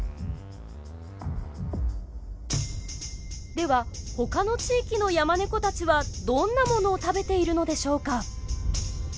では他の地域のヤマネコたちはどんなものを食べているのでしょうか。